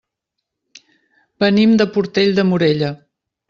Venim de Portell de Morella.